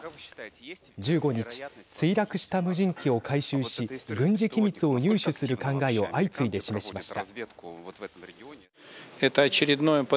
１５日、墜落した無人機を回収し軍事機密を入手する考えを相次いで示しました。